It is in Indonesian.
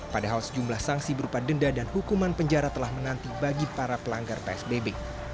padahal sejumlah sanksi berupa denda dan hukuman penjara telah menanti bagi para pelanggar psbb